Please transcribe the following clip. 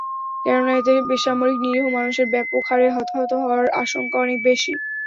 কেননা, এতে বেসামরিক নিরীহ মানুষের ব্যাপক হারে হতাহত হওয়ার আশঙ্কা অনেক বেশি।